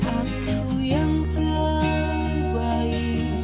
aku yang terbaik